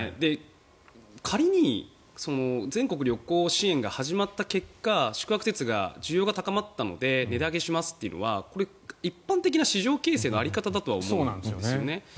仮に全国旅行支援が始まった結果宿泊施設が、需要が高まったので値上げしますというのはこれ、一般的な市場形成の在り方だとは思うんですよね。